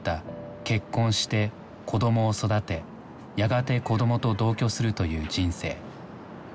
結婚して子どもを育てやがて子どもと同居するという人生。